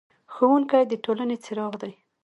ښوونکی د ټولنې څراغ دی.